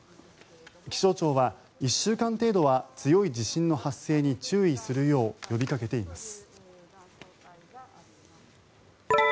気象庁は１週間程度は強い地震の発生に注意するよう呼びかけています。